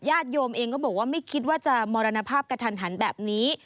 โยมเองก็บอกว่าไม่คิดว่าจะมรณภาพกระทันหันแบบนี้